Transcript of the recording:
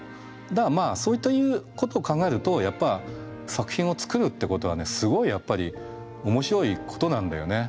だからまあそういうことを考えるとやっぱ作品を作るってことはねすごいやっぱり面白いことなんだよね。